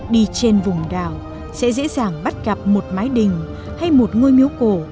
đi trên vùng đảo sẽ dễ dàng bắt gặp một mái đình hay một ngôi miếu cổ